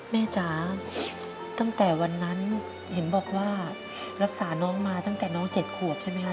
จ๋าตั้งแต่วันนั้นเห็นบอกว่ารักษาน้องมาตั้งแต่น้อง๗ขวบใช่ไหมคะ